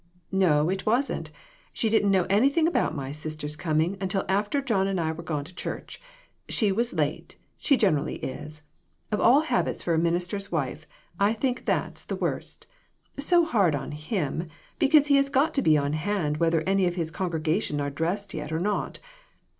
"No, it wasn't. She didn't know anything about my sister's coming until after John and I were gone to church. She was late; she gener ally is. Of all habits for a minister's wife, I think that's the worst ; so hard on him, because he's got to be on hand whether any of his congregation are dressed yet or not.